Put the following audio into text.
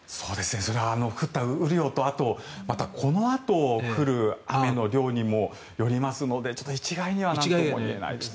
それは降った雨量とあとは、このあと降る雨の量にもよりますので一概には言えないですね。